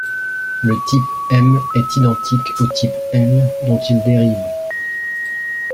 Le Type M est identique au Type L, dont il dérive.